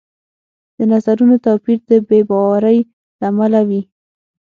د نظرونو توپیر د بې باورۍ له امله وي